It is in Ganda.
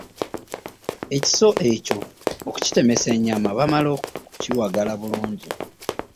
Ekiso ekyo okutkitemesa ennyama baamala ku kiwagala bulungi.